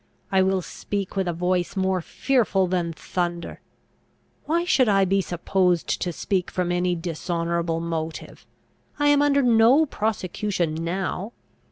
I will speak with a voice more fearful than thunder! Why should I be supposed to speak from any dishonourable motive? I am under no prosecution now!